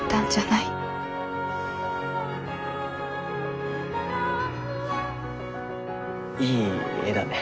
いい絵だね。